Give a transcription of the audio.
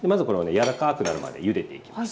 柔らかくなるまでゆでていきます。